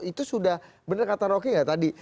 itu sudah benar kata roky nggak tadi